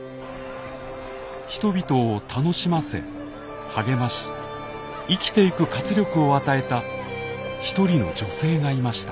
人々を楽しませ励まし生きていく活力を与えた一人の女性がいました。